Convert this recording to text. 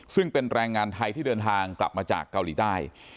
ซึ่งเป็นแรงงานไทยที่เดินทางกลับมาจากเกาหลีใต้